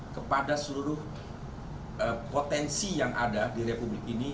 kepada seluruh potensi yang ada di republik ini